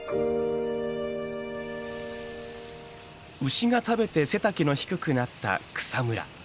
牛が食べて背丈の低くなった草むら。